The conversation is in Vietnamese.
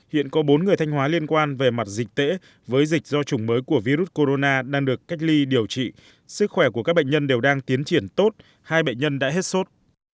hiện có bốn người thanh hóa liên quan về mặt dịch tễ với dịch do chủng mới của virus corona đang được cách ly điều trị sức khỏe của các bệnh nhân đều đang tiến triển tốt hai bệnh nhân đã hết sốt